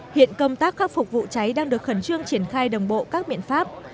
hiện công tác khắc phục vụ cháy đang được khẩn trương triển khai đồng bộ các biện pháp